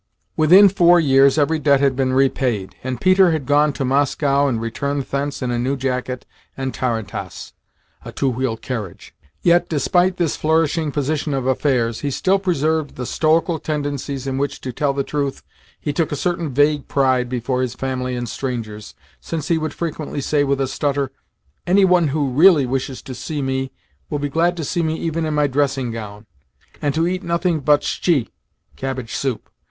Within four years every debt had been repaid, and Peter had gone to Moscow and returned thence in a new jacket and tarantass. [A two wheeled carriage.] Yet, despite this flourishing position of affairs, he still preserved the stoical tendencies in which, to tell the truth, he took a certain vague pride before his family and strangers, since he would frequently say with a stutter: "Any one who REALLY wishes to see me will be glad to see me even in my dressing gown, and to eat nothing but shtchi [Cabbage soup.